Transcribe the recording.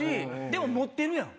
でも持ってるやん。